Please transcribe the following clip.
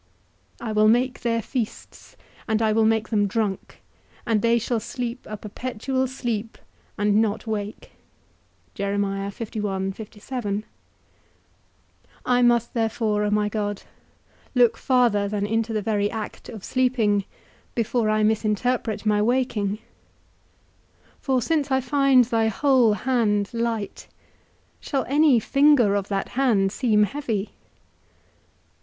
I will make their feasts, and I will make them drunk, and they shall sleep a perpetual sleep, and not wake. I must therefore, O my God, look farther than into the very act of sleeping before I misinterpret my waking; for since I find thy whole hand light, shall any finger of that hand seem heavy?